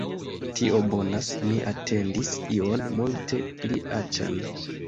Tio bonas. Mi atendis ion multe pli aĉan